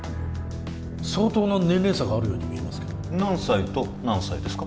相当な年齢差があるように見えますけど何歳と何歳ですか？